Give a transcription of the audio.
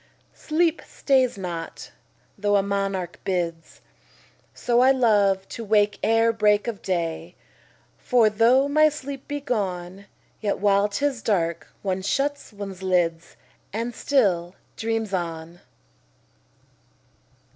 10 Sleep stays not, though a monarch bids: So I love to wake ere break of day: For though my sleep be gone, Yet while 'tis dark, one shuts one's lids, And still dreams on.